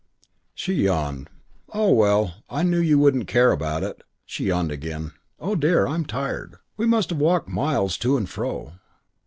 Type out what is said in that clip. She yawned. "Oh, well. I knew you wouldn't care about it." She yawned again, "Oh dear. I'm tired. We must have walked miles, to and fro."